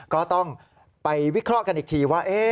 ก็ต้องไปวิเคราะห์กันอีกทีว่า